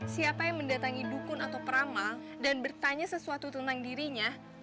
siapa yang mendatangi dukun atau peramal dan bertanya sesuatu tentang dirinya